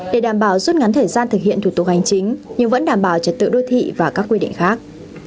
để đảm bảo rút ngắn thời gian thực hiện thủ tục hành chính nhưng vẫn đảm bảo trật tự đô thị và các quy định khác